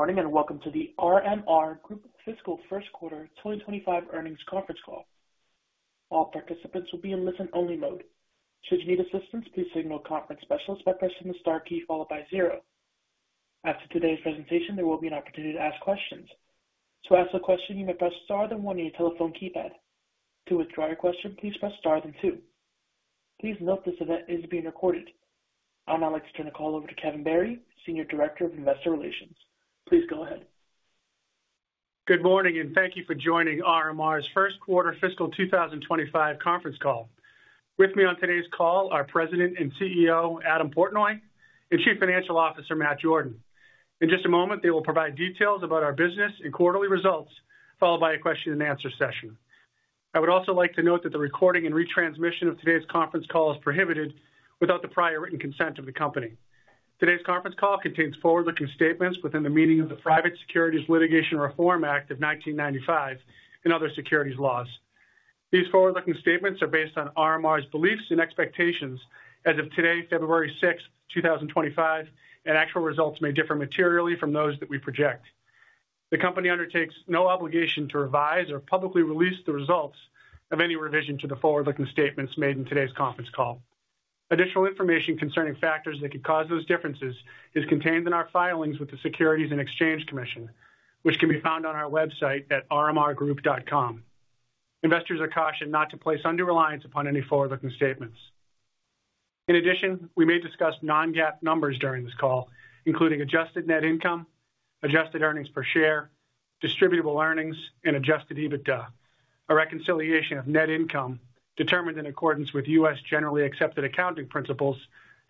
Good morning and welcome to The RMR Group Fiscal First Quarter 2025 Earnings Conference Call. All participants will be in listen-only mode. Should you need assistance, please signal "Conference Specialist" by pressing the star key followed by zero. After today's presentation, there will be an opportunity to ask questions. To ask a question, you may press star then one on your telephone keypad. To withdraw your question, please press star then two. Please note this event is being recorded. I'm now going to turn the call over to Kevin Barry, Senior Director of Investor Relations. Please go ahead. Good morning and thank you for joining The RMR Group's First Quarter Fiscal 2025 Conference Call. With me on today's call are President and CEO Adam Portnoy and Chief Financial Officer Matt Jordan. In just a moment, they will provide details about our business and quarterly results followed by a question-and-answer session. I would also like to note that the recording and retransmission of today's conference call is prohibited without the prior written consent of the company. Today's conference call contains forward-looking statements within the meaning of the Private Securities Litigation Reform Act of 1995 and other securities laws. These forward-looking statements are based on The RMR Group's beliefs and expectations as of today, February 6, 2025, and actual results may differ materially from those that we project. The company undertakes no obligation to revise or publicly release the results of any revision to the forward-looking statements made in today's conference call. Additional information concerning factors that could cause those differences is contained in our filings with the Securities and Exchange Commission, which can be found on our website at rmrgroup.com. Investors are cautioned not to place undue reliance upon any forward-looking statements. In addition, we may discuss non-GAAP numbers during this call, including adjusted net income, adjusted earnings per share, distributable earnings, and adjusted EBITDA. A reconciliation of net income determined in accordance with U.S. generally accepted accounting principles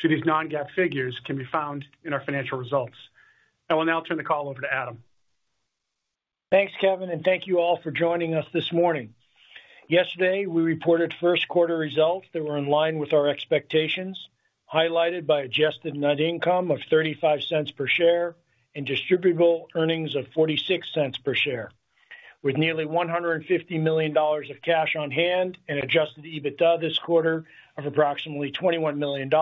to these non-GAAP figures can be found in our financial results. I will now turn the call over to Adam. Thanks, Kevin, and thank you all for joining us this morning. Yesterday, we reported first-quarter results that were in line with our expectations, highlighted by adjusted net income of $0.35 per share and distributable earnings of $0.46 per share. With nearly $150 million of cash on hand and adjusted EBITDA this quarter of approximately $21 million,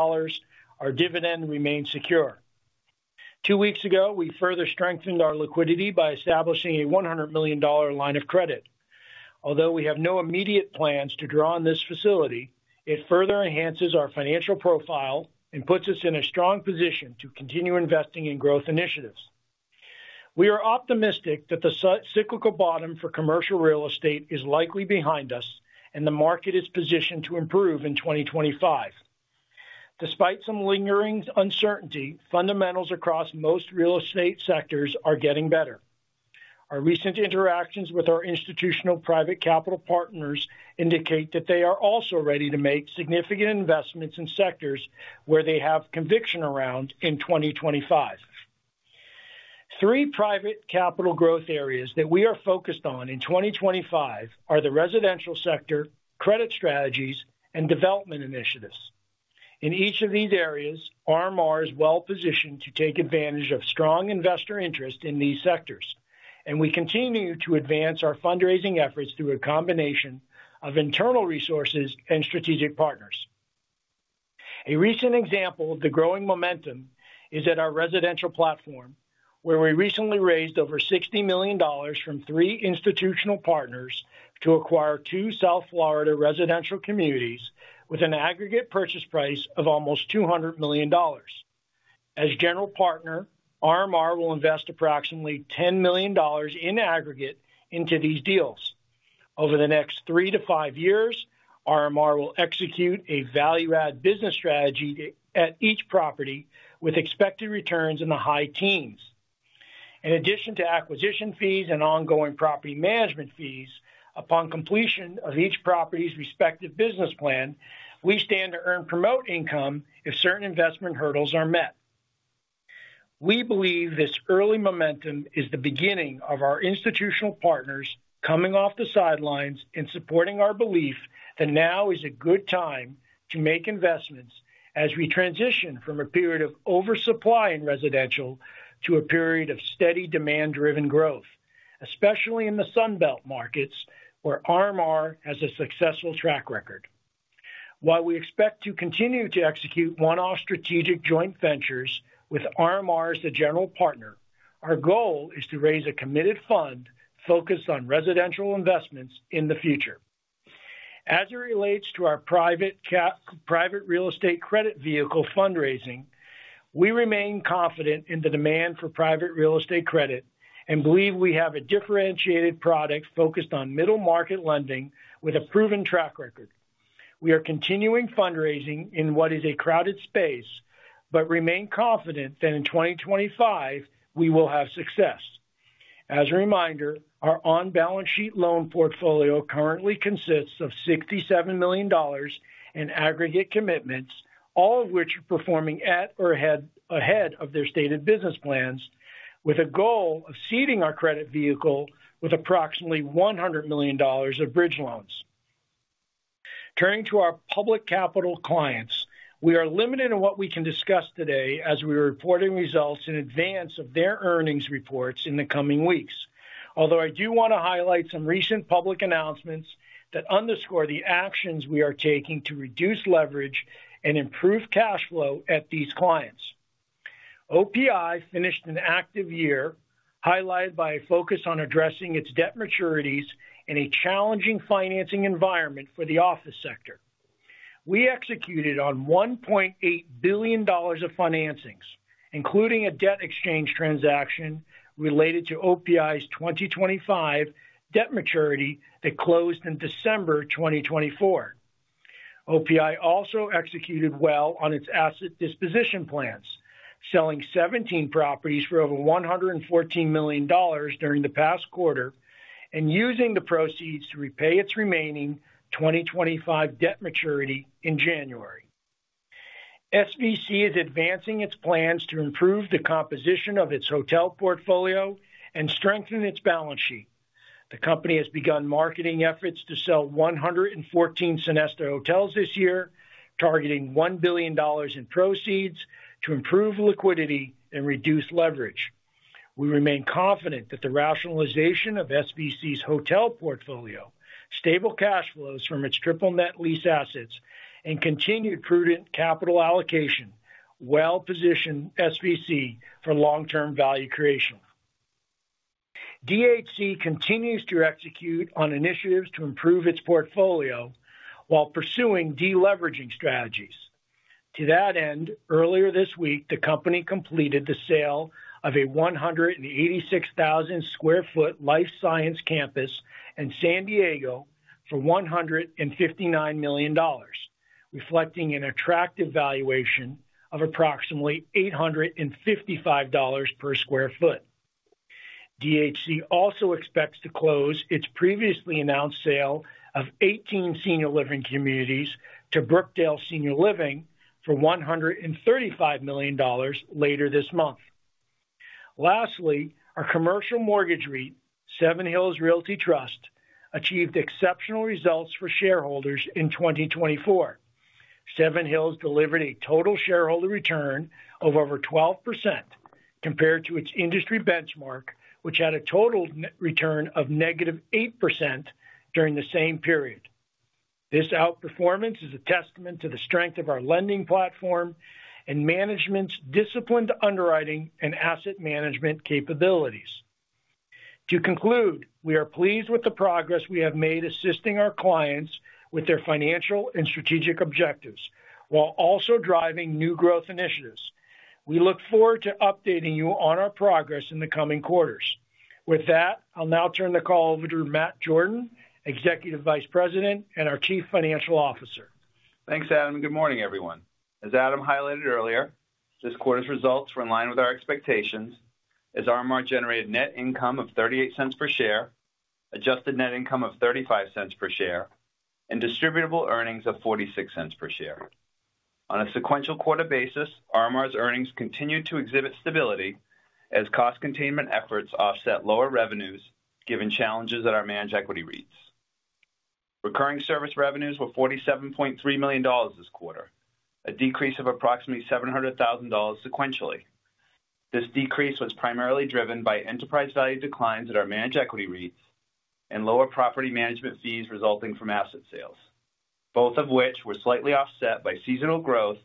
our dividend remained secure. Two weeks ago, we further strengthened our liquidity by establishing a $100 million line of credit. Although we have no immediate plans to draw on this facility, it further enhances our financial profile and puts us in a strong position to continue investing in growth initiatives. We are optimistic that the cyclical bottom for commercial real estate is likely behind us and the market is positioned to improve in 2025. Despite some lingering uncertainty, fundamentals across most real estate sectors are getting better. Our recent interactions with our institutional private capital partners indicate that they are also ready to make significant investments in sectors where they have conviction around in 2025. Three private capital growth areas that we are focused on in 2025 are the residential sector, credit strategies, and development initiatives. In each of these areas, The RMR Group is well positioned to take advantage of strong investor interest in these sectors, and we continue to advance our fundraising efforts through a combination of internal resources and strategic partners. A recent example of the growing momentum is at our residential platform, where we recently raised over $60 million from three institutional partners to acquire two South Florida residential communities with an aggregate purchase price of almost $200 million. As general partner, The RMR Group will invest approximately $10 million in aggregate into these deals. Over the next 3-5 years, The RMR Group will execute a value-add business strategy at each property with expected returns in the high-teens. In addition to acquisition fees and ongoing property management fees, upon completion of each property's respective business plan, we stand to earn promote income if certain investment hurdles are met. We believe this early momentum is the beginning of our institutional partners coming off the sidelines and supporting our belief that now is a good time to make investments as we transition from a period of oversupply in residential to a period of steady demand-driven growth, especially in the Sunbelt markets where The RMR Group has a successful track record. While we expect to continue to execute one-off strategic joint ventures with The RMR Group as a general partner, our goal is to raise a committed fund focused on residential investments in the future. As it relates to our private real estate credit vehicle fundraising, we remain confident in the demand for private real estate credit and believe we have a differentiated product focused on middle market lending with a proven track record. We are continuing fundraising in what is a crowded space, but remain confident that in 2025 we will have success. As a reminder, our on-balance sheet loan portfolio currently consists of $67 million in aggregate commitments, all of which are performing at or ahead of their stated business plans, with a goal of seeding our credit vehicle with approximately $100 million of bridge loans. Turning to our public capital clients, we are limited in what we can discuss today as we are reporting results in advance of their earnings reports in the coming weeks, although I do want to highlight some recent public announcements that underscore the actions we are taking to reduce leverage and improve cash flow at these clients. OPI finished an active year highlighted by a focus on addressing its debt maturities in a challenging financing environment for the office sector. We executed on $1.8 billion of financings, including a debt exchange transaction related to OPI's 2025 debt maturity that closed in December 2024. OPI also executed well on its asset disposition plans, selling 17 properties for over $114 million during the past quarter and using the proceeds to repay its remaining 2025 debt maturity in January. SVC is advancing its plans to improve the composition of its hotel portfolio and strengthen its balance sheet. The company has begun marketing efforts to sell 114 Sonesta hotels this year, targeting $1 billion in proceeds to improve liquidity and reduce leverage. We remain confident that the rationalization of SVC's hotel portfolio, stable cash flows from its triple-net lease assets, and continued prudent capital allocation well position SVC for long-term value creation. DHC continues to execute on initiatives to improve its portfolio while pursuing deleveraging strategies. To that end, earlier this week, the company completed the sale of a 186,000 sq ft life science campus in San Diego for $159 million, reflecting an attractive valuation of approximately $855 per sq ft. DHC also expects to close its previously announced sale of 18 senior living communities to Brookdale Senior Living for $135 million later this month. Lastly, our commercial mortgage REIT, Seven Hills Realty Trust, achieved exceptional results for shareholders in 2024. Seven Hills Realty Trust delivered a total shareholder return of over 12% compared to its industry benchmark, which had a total return of -8% during the same period. This outperformance is a testament to the strength of our lending platform and management's disciplined underwriting and asset management capabilities. To conclude, we are pleased with the progress we have made assisting our clients with their financial and strategic objectives while also driving new growth initiatives. We look forward to updating you on our progress in the coming quarters. With that, I'll now turn the call over to Matt Jordan, Executive Vice President and our Chief Financial Officer. Thanks, Adam. Good morning, everyone. As Adam highlighted earlier, this quarter's results were in line with our expectations as The RMR Group generated net income of $0.38 per share, adjusted net income of $0.35 per share, and distributable earnings of $0.46 per share. On a sequential quarter basis, The RMR Group's earnings continued to exhibit stability as cost containment efforts offset lower revenues given challenges at our managed equity REITs. Recurring service revenues were $47.3 million this quarter, a decrease of approximately $700,000 sequentially. This decrease was primarily driven by enterprise value declines at our managed equity REITs and lower property management fees resulting from asset sales, both of which were slightly offset by seasonal growth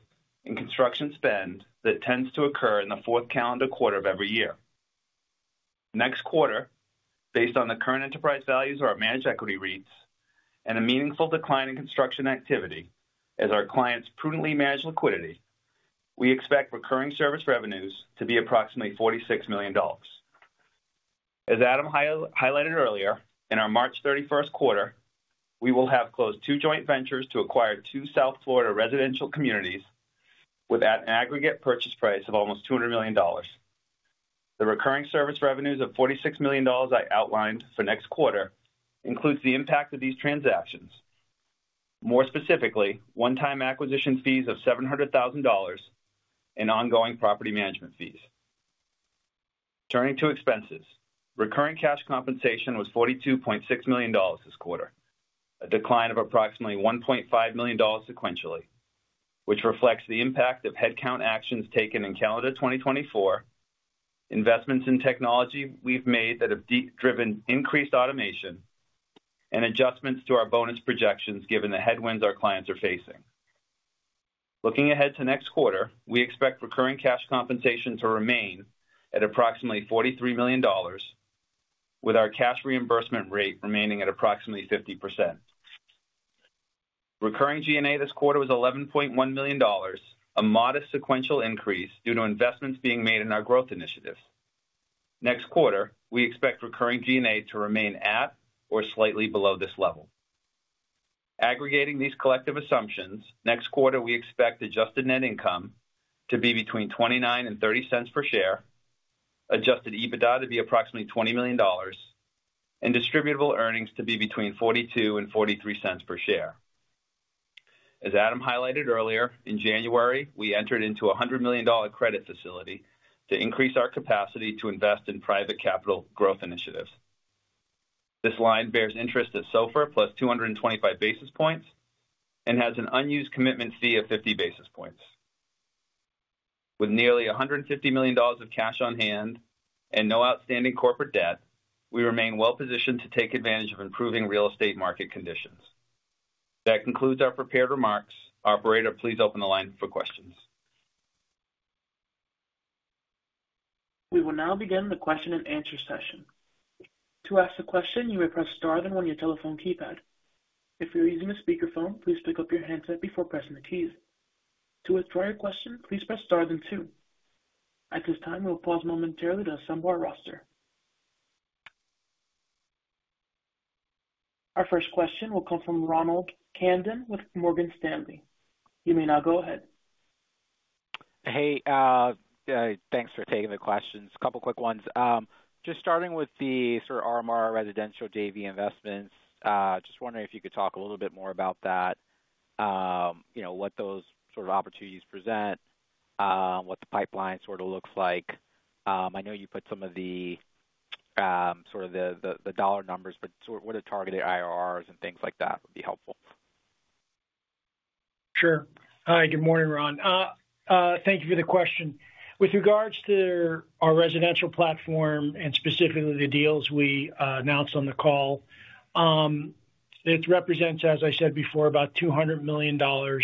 in construction spend that tends to occur in the fourth calendar quarter of every year. Next quarter, based on the current enterprise values of our managed equity REITs and a meaningful decline in construction activity as our clients prudently manage liquidity, we expect recurring service revenues to be approximately $46 million. As Adam highlighted earlier, in our March 31st quarter, we will have closed two joint ventures to acquire two South Florida residential communities with an aggregate purchase price of almost $200 million. The recurring service revenues of $46 million I outlined for next quarter include the impact of these transactions, more specifically, one-time acquisition fees of $700,000 and ongoing property management fees. Turning to expenses, recurring cash compensation was $42.6 million this quarter, a decline of approximately $1.5 million sequentially, which reflects the impact of headcount actions taken in calendar 2024, investments in technology we've made that have driven increased automation, and adjustments to our bonus projections given the headwinds our clients are facing. Looking ahead to next quarter, we expect recurring cash compensation to remain at approximately $43 million, with our cash reimbursement rate remaining at approximately 50%. Recurring G&A this quarter was $11.1 million, a modest sequential increase due to investments being made in our growth initiatives. Next quarter, we expect recurring G&A to remain at or slightly below this level. Aggregating these collective assumptions, next quarter, we expect adjusted net income to be between $0.29 and $0.30 per share, adjusted EBITDA to be approximately $20 million, and distributable earnings to be between $0.42 and $0.43 per share. As Adam highlighted earlier, in January, we entered into a $100 million credit facility to increase our capacity to invest in private capital growth initiatives. This line bears interest at SOFR +225 basis points and has an unused commitment fee of 50 basis points. With nearly $150 million of cash on hand and no outstanding corporate debt, we remain well positioned to take advantage of improving real estate market conditions. That concludes our prepared remarks. Operator, please open the line for questions. We will now begin the question and answer session. To ask a question, you may press star then one on your telephone keypad. If you're using a speakerphone, please pick up your handset before pressing the keys. To withdraw your question, please press star then two. At this time, we will pause momentarily to assemble our roster. Our first question will come from Ronald Kamdem with Morgan Stanley. You may now go ahead. Hey, thanks for taking the questions. A couple of quick ones. Just starting with the sort of The RMR Group residential JV investments, just wondering if you could talk a little bit more about that, what those sort of opportunities present, what the pipeline sort of looks like. I know you put some of the sort of the dollar numbers, but sort of what are targeted IRRs and things like that would be helpful. Sure. Hi, good morning, Ron. Thank you for the question. With regards to our residential platform and specifically the deals we announced on the call, it represents, as I said before, about $200 million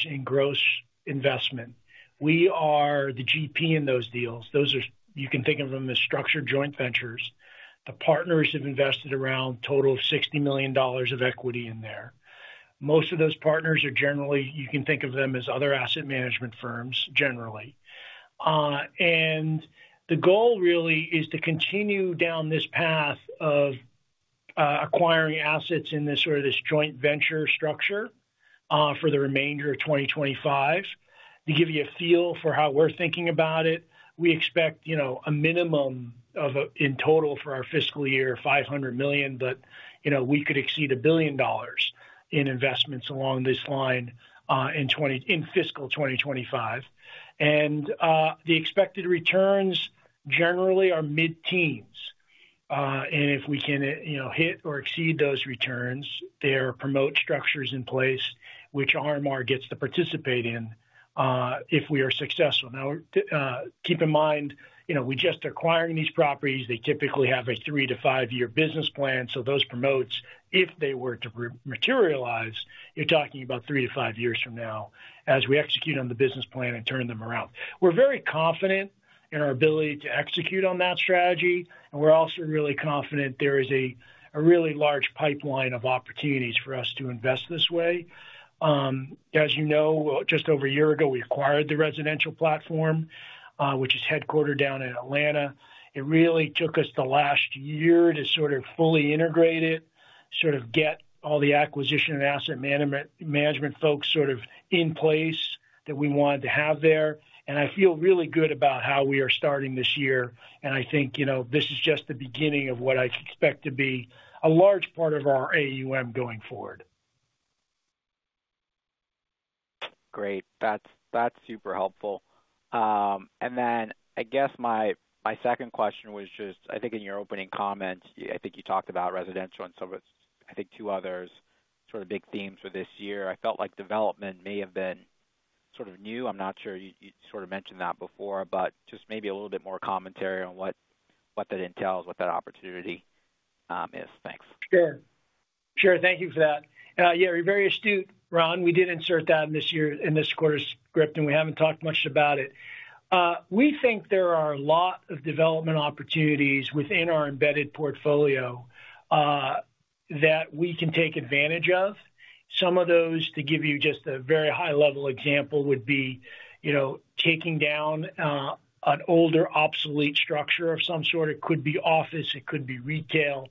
in gross investment. We are the GP in those deals. You can think of them as structured joint ventures. The partners have invested around a total of $60 million of equity in there. Most of those partners are generally—you can think of them as other asset management firms, generally. The goal really is to continue down this path of acquiring assets in this sort of this joint venture structure for the remainder of 2025. To give you a feel for how we're thinking about it, we expect a minimum in total for our fiscal year, $500 million, but we could exceed a billion dollars in investments along this line in fiscal 2025. The expected returns generally are mid-teens. If we can hit or exceed those returns, there are promote structures in place, which The RMR Group gets to participate in if we are successful. Keep in mind, we just acquired these properties. They typically have a three- to five-year business plan. Those promotes, if they were to materialize, you are talking about 3-5 years from now as we execute on the business plan and turn them around. We are very confident in our ability to execute on that strategy. We are also really confident there is a really large pipeline of opportunities for us to invest this way. As you know, just over a year ago, we acquired the residential platform, which is headquartered down in Atlanta. It really took us the last year to sort of fully integrate it, sort of get all the acquisition and asset management folks sort of in place that we wanted to have there. I feel really good about how we are starting this year. I think this is just the beginning of what I expect to be a large part of our AUM going forward. Great. That's super helpful. I guess my second question was just, I think in your opening comments, I think you talked about residential and some of, I think, two others sort of big themes for this year. I felt like development may have been sort of new. I'm not sure you sort of mentioned that before, but just maybe a little bit more commentary on what that entails, what that opportunity is. Thanks. Sure. Thank you for that. Yeah, we're very astute, Ron. We did insert that in this year in this quarter's script, and we haven't talked much about it. We think there are a lot of development opportunities within our embedded portfolio that we can take advantage of. Some of those, to give you just a very high-level example, would be taking down an older obsolete structure of some sort. It could be office. It could be retail.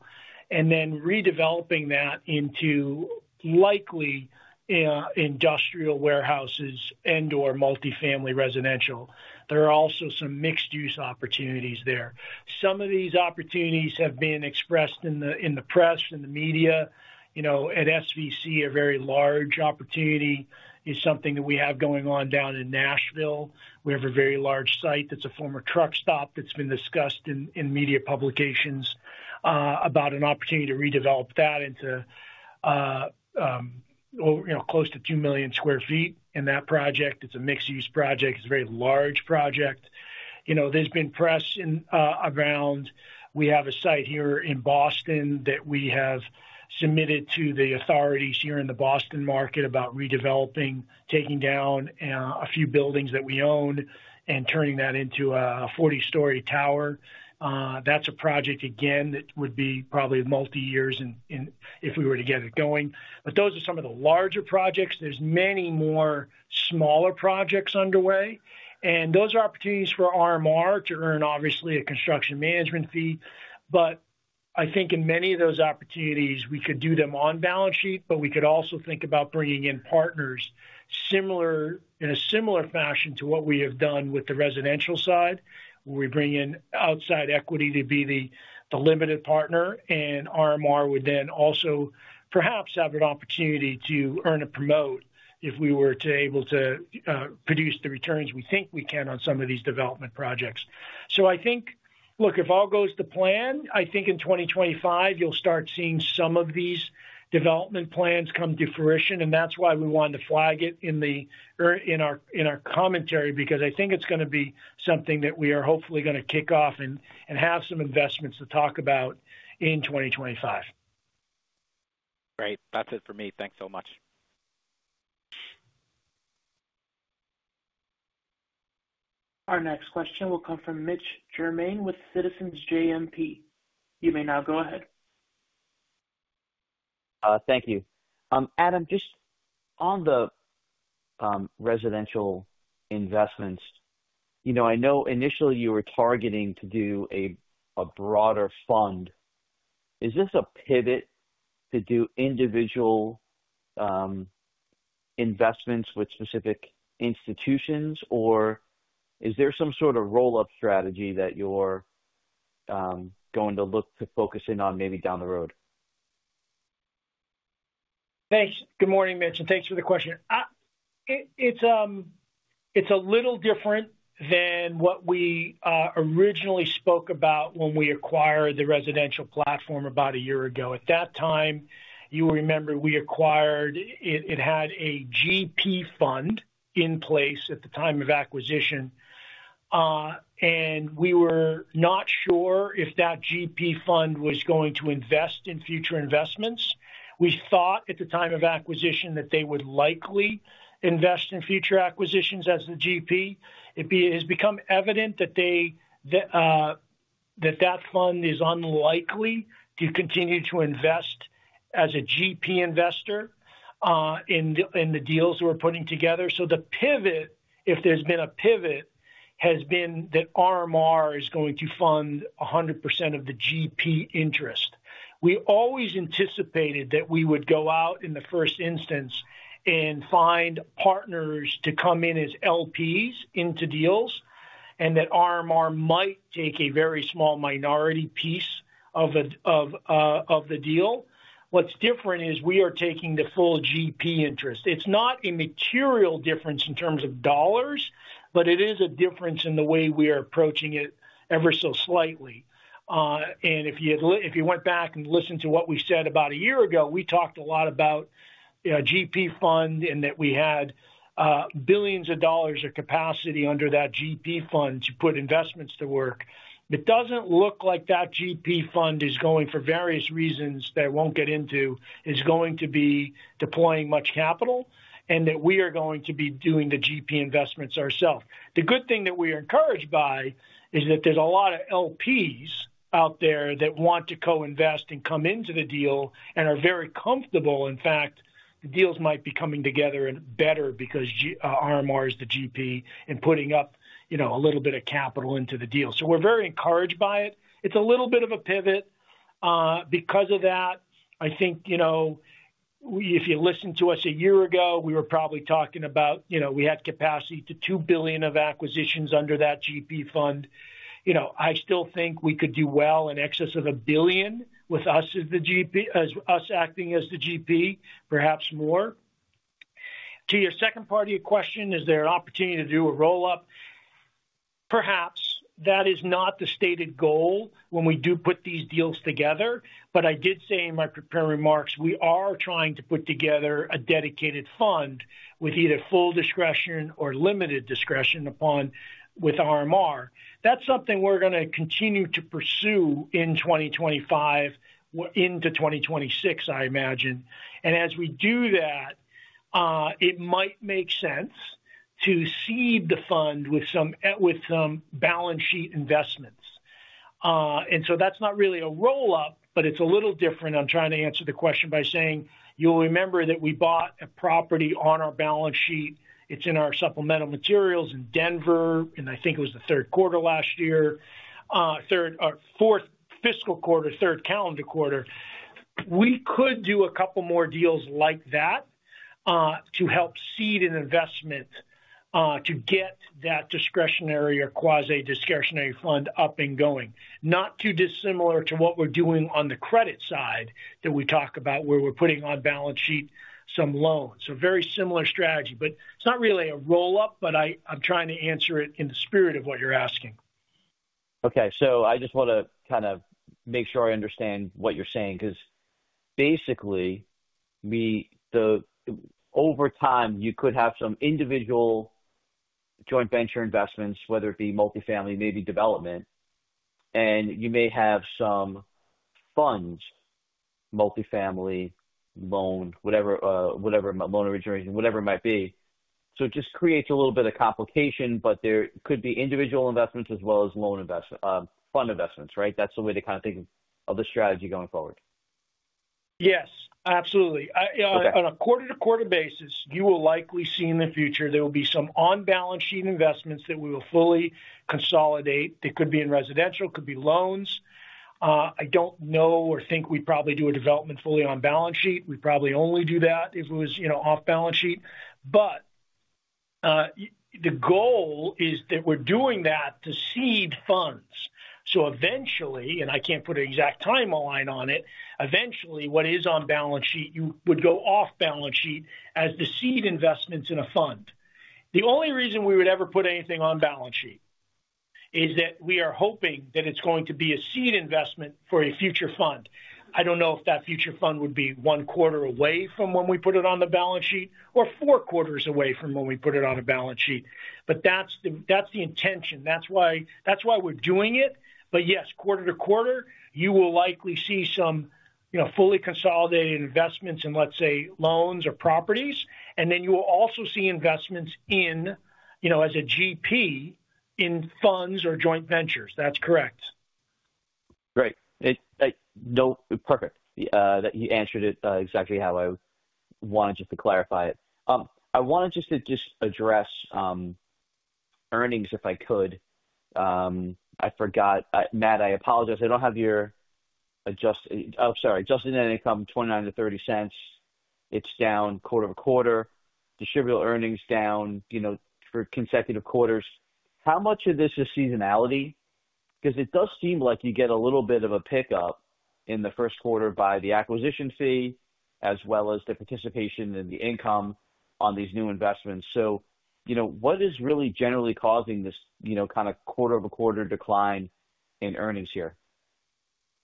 And then redeveloping that into likely industrial warehouses and/or multifamily residential. There are also some mixed-use opportunities there. Some of these opportunities have been expressed in the press, in the media. At SVC, a very large opportunity is something that we have going on down in Nashville. We have a very large site that's a former truck stop that's been discussed in media publications about an opportunity to redevelop that into close to 2 million sq ft in that project. It's a mixed-use project. It's a very large project. There's been press around. We have a site here in Boston that we have submitted to the authorities here in the Boston market about redeveloping, taking down a few buildings that we own and turning that into a 40-story tower. That's a project, again, that would be probably multi-years if we were to get it going. Those are some of the larger projects. There are many more smaller projects underway. Those are opportunities for The RMR Group to earn, obviously, a construction management fee. I think in many of those opportunities, we could do them on balance sheet, but we could also think about bringing in partners in a similar fashion to what we have done with the residential side, where we bring in outside equity to be the limited partner. The RMR Group would then also perhaps have an opportunity to earn a promote if we were to be able to produce the returns we think we can on some of these development projects. I think, look, if all goes to plan, I think in 2025, you'll start seeing some of these development plans come to fruition. That is why we wanted to flag it in our commentary, because I think it is going to be something that we are hopefully going to kick off and have some investments to talk about in 2025. Great. That's it for me. Thanks so much. Our next question will come from Mitch Germain with Citizens JMP. You may now go ahead. Thank you. Adam, just on the residential investments, I know initially you were targeting to do a broader fund. Is this a pivot to do individual investments with specific institutions, or is there some sort of roll-up strategy that you're going to look to focus in on maybe down the road? Thanks. Good morning, Mitch. Thanks for the question. It's a little different than what we originally spoke about when we acquired the residential platform about a year ago. At that time, you will remember we acquired it had a GP fund in place at the time of acquisition. We were not sure if that GP fund was going to invest in future investments. We thought at the time of acquisition that they would likely invest in future acquisitions as the GP. It has become evident that that fund is unlikely to continue to invest as a GP investor in the deals we're putting together. The pivot, if there's been a pivot, has been that The RMR Group is going to fund 100% of the GP interest. We always anticipated that we would go out in the first instance and find partners to come in as LPs into deals and that The RMR Group might take a very small minority piece of the deal. What is different is we are taking the full GP interest. It is not a material difference in terms of dollars, but it is a difference in the way we are approaching it ever so slightly. If you went back and listened to what we said about a year ago, we talked a lot about a GP fund and that we had billions of dollars of capacity under that GP fund to put investments to work. It does not look like that GP fund is going, for various reasons that I will not get into, is going to be deploying much capital and that we are going to be doing the GP investments ourselves. The good thing that we are encouraged by is that there's a lot of LPs out there that want to co-invest and come into the deal and are very comfortable. In fact, the deals might be coming together better because The RMR Group is the GP and putting up a little bit of capital into the deal. We are very encouraged by it. It's a little bit of a pivot. Because of that, I think if you listened to us a year ago, we were probably talking about we had capacity to $2 billion of acquisitions under that GP fund. I still think we could do well in excess of $1 billion with us acting as the GP, perhaps more. To your second party question, is there an opportunity to do a roll-up? Perhaps. That is not the stated goal when we do put these deals together. I did say in my prepared remarks, we are trying to put together a dedicated fund with either full discretion or limited discretion with The RMR Group. That is something we are going to continue to pursue in 2025 into 2026, I imagine. As we do that, it might make sense to seed the fund with some balance sheet investments. That is not really a roll-up, but it is a little different. I am trying to answer the question by saying you will remember that we bought a property on our balance sheet. It is in our supplemental materials in Denver, and I think it was the third quarter last year, fourth fiscal quarter, third calendar quarter. We could do a couple more deals like that to help seed an investment to get that discretionary or quasi-discretionary fund up and going. Not too dissimilar to what we're doing on the credit side that we talk about where we're putting on balance sheet some loans. Very similar strategy, but it's not really a roll-up, but I'm trying to answer it in the spirit of what you're asking. Okay. I just want to kind of make sure I understand what you're saying because basically, over time, you could have some individual joint venture investments, whether it be multifamily, maybe development, and you may have some funds, multifamily loan, whatever loan origination, whatever it might be. It just creates a little bit of complication, but there could be individual investments as well as fund investments, right? That's the way to kind of think of the strategy going forward. Yes, absolutely. On a quarter-to-quarter basis, you will likely see in the future there will be some on-balance sheet investments that we will fully consolidate. They could be in residential, could be loans. I do not know or think we would probably do a development fully on balance sheet. We would probably only do that if it was off-balance sheet. The goal is that we are doing that to seed funds. Eventually, and I cannot put an exact timeline on it, eventually, what is on balance sheet would go off-balance sheet as the seed investments in a fund. The only reason we would ever put anything on balance sheet is that we are hoping that it is going to be a seed investment for a future fund. I don't know if that future fund would be one quarter away from when we put it on the balance sheet or four quarters away from when we put it on a balance sheet. That's the intention. That's why we're doing it. Yes, quarter to quarter, you will likely see some fully consolidated investments in, let's say, loans or properties. You will also see investments as a GP in funds or joint ventures. That's correct. Great. Perfect. You answered it exactly how I wanted just to clarify it. I wanted just to address earnings if I could. I forgot. Matt, I apologize. I do not have your adjusted—oh, sorry. Adjusted net income, $0.29-$0.30. It is down quarter-to-quarter. Distributable earnings down for consecutive quarters. How much of this is seasonality? Because it does seem like you get a little bit of a pickup in the first quarter by the acquisition fee as well as the participation in the income on these new investments. What is really generally causing this kind of quarter-to-quarter decline in earnings here?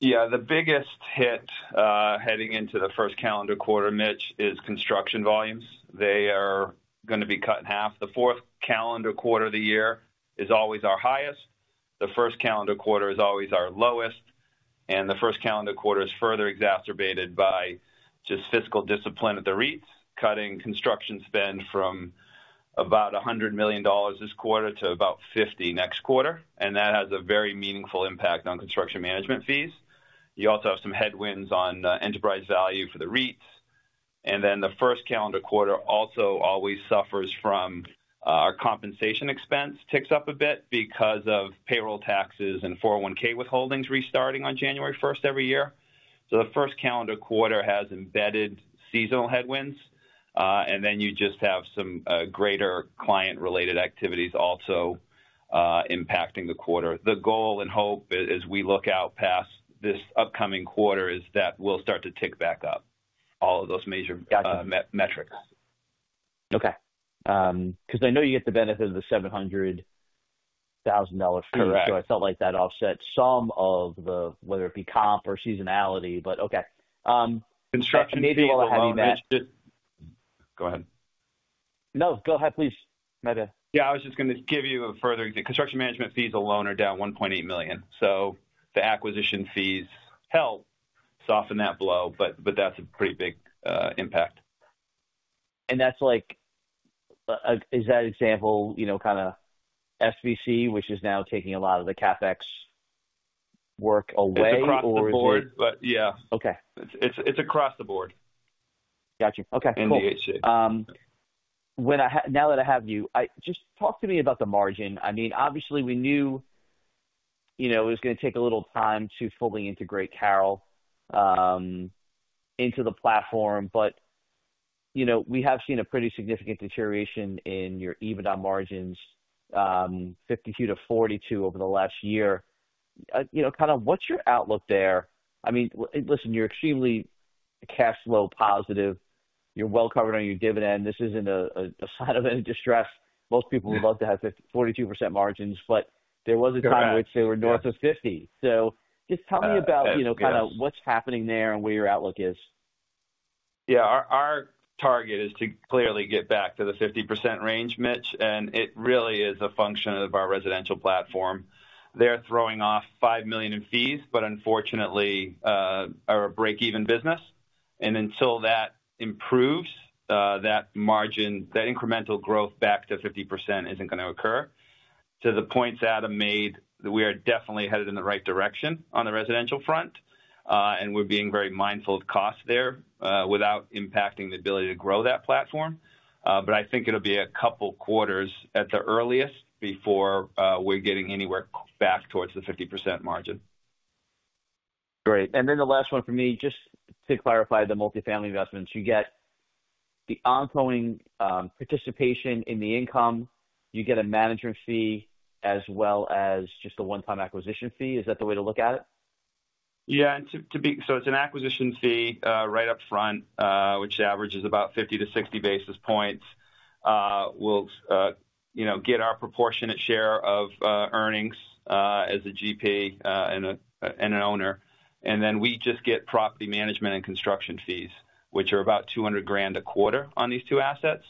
Yeah. The biggest hit heading into the first calendar quarter, Mitch, is construction volumes. They are going to be cut in half. The fourth calendar quarter of the year is always our highest. The first calendar quarter is always our lowest. The first calendar quarter is further exacerbated by just fiscal discipline at the REITs, cutting construction spend from about $100 million this quarter to about $50 million next quarter. That has a very meaningful impact on construction management fees. You also have some headwinds on enterprise value for the REITs. The first calendar quarter also always suffers from our compensation expense ticks up a bit because of payroll taxes and 401(k) withholdings restarting on January 1 every year. The first calendar quarter has embedded seasonal headwinds. You just have some greater client-related activities also impacting the quarter. The goal and hope as we look out past this upcoming quarter is that we'll start to tick back up all of those major metrics. Okay. Because I know you get the benefit of the $700,000 fee. I felt like that offset some of the, whether it be comp or seasonality, but okay. Construction management fees. Maybe a little heavy match. Just go ahead. No, go ahead, please, Matt. Yeah. I was just going to give you a further example. Construction management fees alone are down $1.8 million. The acquisition fees help soften that blow, but that's a pretty big impact. Is that example kind of SVC, which is now taking a lot of the CapEx work away, or is it? It's across the board. Yeah. Okay. It's across the board. Gotcha. Okay. Now that I have you, just talk to me about the margin. I mean, obviously, we knew it was going to take a little time to fully integrate CARROLL into the platform, but we have seen a pretty significant deterioration in your EBITDA margins, 52% to 42% over the last year. Kind of what's your outlook there? I mean, listen, you're extremely cash flow positive. You're well covered on your dividend. This isn't a sign of any distress. Most people would love to have 42% margins, but there was a time which they were north of 50%. Just tell me about kind of what's happening there and where your outlook is. Yeah. Our target is to clearly get back to the 50% range, Mitch. It really is a function of our residential platform. They're throwing off $5 million in fees, but unfortunately, our break-even business. Until that improves, that incremental growth back to 50% isn't going to occur. To the points Adam made, we are definitely headed in the right direction on the residential front, and we're being very mindful of costs there without impacting the ability to grow that platform. I think it'll be a couple of quarters at the earliest before we're getting anywhere back towards the 50% margin. Great. The last one for me, just to clarify the multifamily investments. You get the ongoing participation in the income. You get a management fee as well as just a one-time acquisition fee. Is that the way to look at it? Yeah. So it's an acquisition fee right up front, which averages about 50-60 basis points. We'll get our proportionate share of earnings as a GP and an owner. And then we just get property management and construction fees, which are about $200,000 a quarter on these two assets.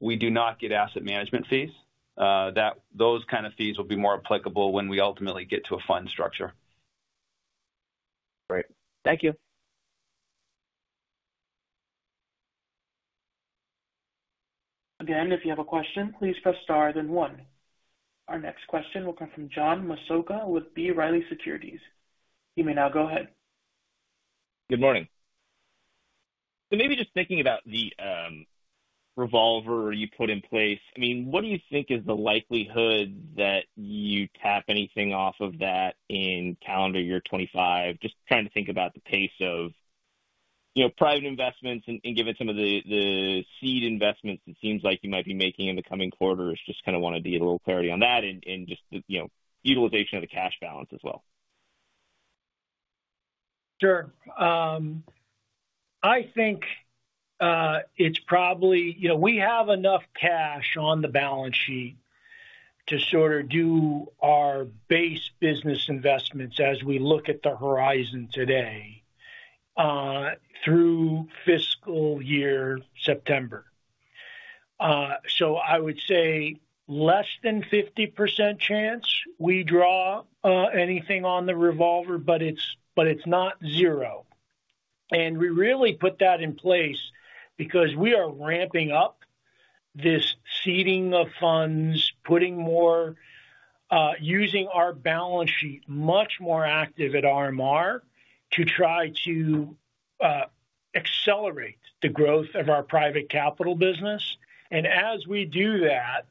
We do not get asset management fees. Those kind of fees will be more applicable when we ultimately get to a fund structure. Great. Thank you. Again, if you have a question, please press star then one. Our next question will come from John Massocca with B. Riley Securities. You may now go ahead. Good morning. Maybe just thinking about the revolver you put in place, I mean, what do you think is the likelihood that you tap anything off of that in calendar year 2025? Just trying to think about the pace of private investments and given some of the seed investments it seems like you might be making in the coming quarters. Just kind of want to get a little clarity on that and just the utilization of the cash balance as well. Sure. I think it's probably we have enough cash on the balance sheet to sort of do our base business investments as we look at the horizon today through fiscal year September. I would say less than 50% chance we draw anything on the revolver, but it's not zero. We really put that in place because we are ramping up this seeding of funds, using our balance sheet much more active at The RMR Group to try to accelerate the growth of our private capital business. As we do that,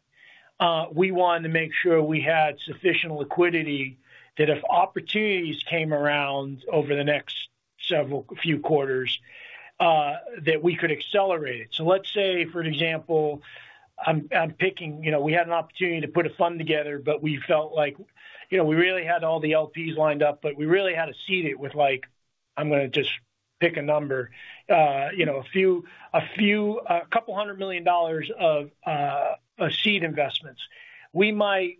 we wanted to make sure we had sufficient liquidity that if opportunities came around over the next few quarters, we could accelerate it. Let's say, for example, I'm picking we had an opportunity to put a fund together, but we felt like we really had all the LPs lined up, but we really had to seed it with, I'm going to just pick a number, a couple hundred million dollars of seed investments. We might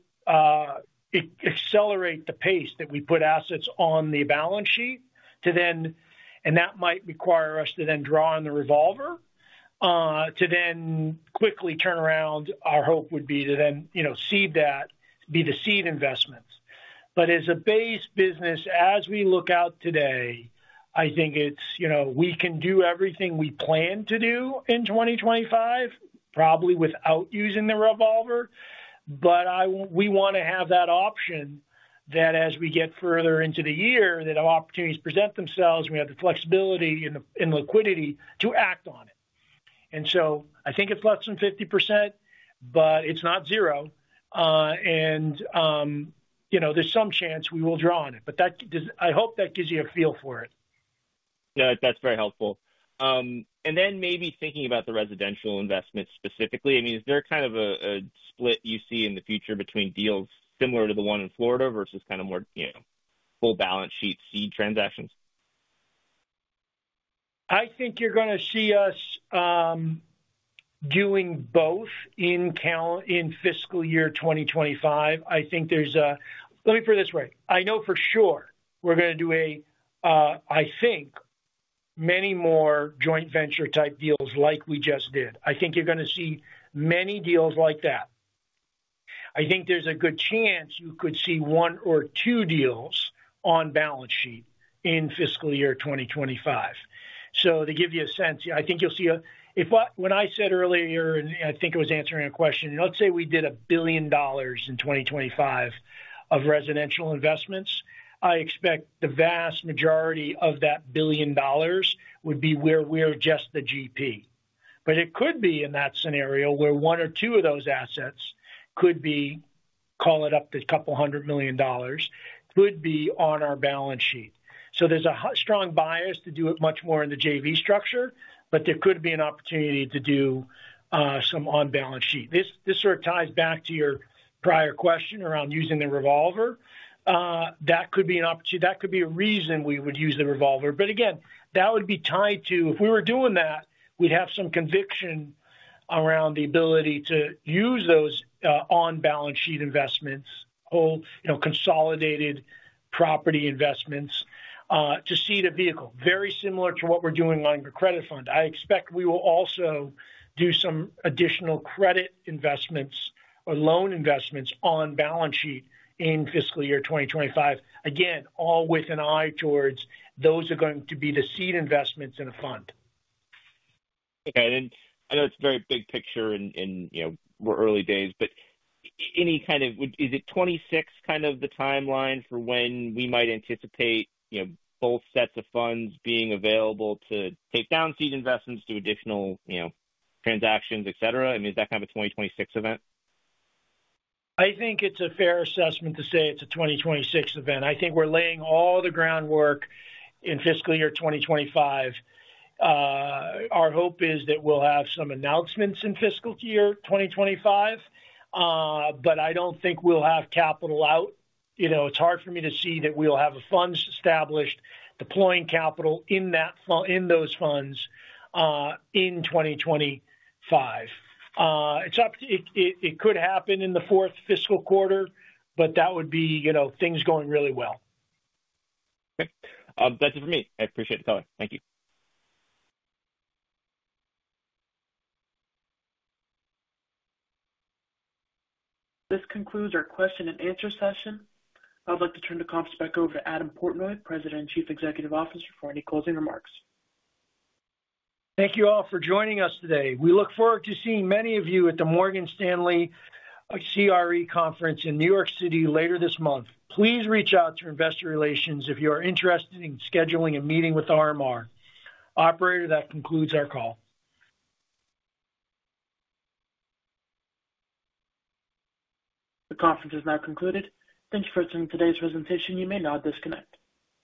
accelerate the pace that we put assets on the balance sheet to then, and that might require us to then draw on the revolver to then quickly turn around. Our hope would be to then seed that, be the seed investments. As a base business, as we look out today, I think we can do everything we plan to do in 2025, probably without using the revolver. We want to have that option that as we get further into the year, that opportunities present themselves, we have the flexibility and liquidity to act on it. I think it's less than 50%, but it's not zero. There's some chance we will draw on it. I hope that gives you a feel for it. Yeah. That's very helpful. Maybe thinking about the residential investments specifically, I mean, is there kind of a split you see in the future between deals similar to the one in Florida versus kind of more full balance sheet seed transactions? I think you're going to see us doing both in fiscal year 2025. I think there's a, let me put it this way. I know for sure we're going to do a, I think, many more joint venture type deals like we just did. I think you're going to see many deals like that. I think there's a good chance you could see one or two deals on balance sheet in fiscal year 2025. To give you a sense, I think you'll see when I said earlier, and I think I was answering a question, let's say we did $1 billion in 2025 of residential investments, I expect the vast majority of that $1 billion would be where we're just the GP. It could be in that scenario where one or two of those assets could be, call it up to a couple hundred million dollars, could be on our balance sheet. There is a strong bias to do it much more in the JV structure, but there could be an opportunity to do some on-balance sheet. This sort of ties back to your prior question around using the revolver. That could be an opportunity. That could be a reason we would use the revolver. Again, that would be tied to if we were doing that, we would have some conviction around the ability to use those on-balance sheet investments, consolidated property investments to seed a vehicle. Very similar to what we are doing on your credit fund. I expect we will also do some additional credit investments or loan investments on balance sheet in fiscal year 2025. Again, all with an eye towards those are going to be the seed investments in a fund. Okay. I know it's a very big picture and we're early days, but any kind of is it 2026 kind of the timeline for when we might anticipate both sets of funds being available to take down seed investments, do additional transactions, etc.? I mean, is that kind of a 2026 event? I think it's a fair assessment to say it's a 2026 event. I think we're laying all the groundwork in fiscal year 2025. Our hope is that we'll have some announcements in fiscal year 2025, but I don't think we'll have capital out. It's hard for me to see that we'll have funds established, deploying capital in those funds in 2025. It could happen in the fourth fiscal quarter, but that would be things going really well. Okay. That's it for me. I appreciate the time. Thank you. This concludes our question and answer session. I'd like to turn the conference back over to Adam Portnoy, President and Chief Executive Officer, for any closing remarks. Thank you all for joining us today. We look forward to seeing many of you at the Morgan Stanley CRE Conference in New York City later this month. Please reach out to Investor Relations if you are interested in scheduling a meeting with The RMR Group. Operator, that concludes our call. The conference is now concluded. Thank you for attending today's presentation. You may now disconnect.